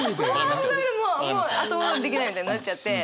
本当にもう後戻りできないみたいになっちゃって。